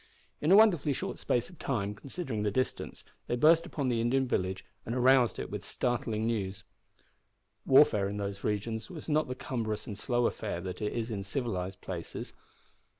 In a wonderfully short space of time, considering the distance, they burst upon the Indian village, and aroused it with the startling news. Warfare in those regions was not the cumbrous and slow affair that it is in civilised places.